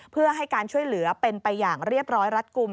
เพื่อให้การช่วยเหลือเป็นไปอย่างเรียบร้อยรัดกลุ่ม